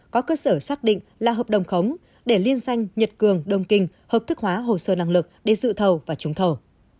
có cơ sở xác định là hợp đồng khống để liên danh nhật cường đông kinh hợp thức hóa hồ sơ năng lực để dự thầu và trúng thầu